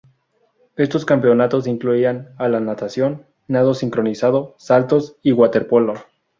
Estos campeonatos incluían a la natación, nado sincronizado, saltos y waterpolo.